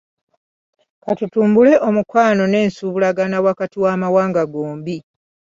Katutumbule omukwano wamu n'ensuubuligana wakati w'amawanga gombi.